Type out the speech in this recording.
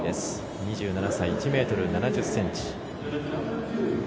２５歳、１ｍ７０ｃｍ。